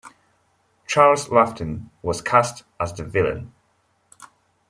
Charles Laughton was cast as the villain.